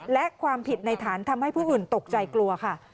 และความผิดในฐานทำให้ผู้อื่นตกใจกลัวค่ะ